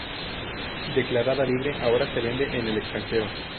Declarada libre, ahora se vende en el extranjero.